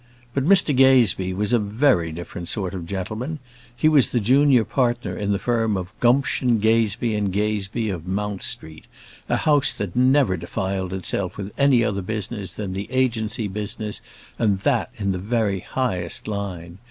But Mr Gazebee was a very different sort of gentleman; he was the junior partner in the firm of Gumption, Gazebee & Gazebee, of Mount Street, a house that never defiled itself with any other business than the agency business, and that in the very highest line.